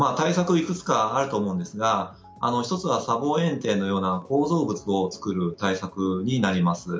いくつかあると思うんですが１つは砂防えん堤のような構造物を作る対策になります。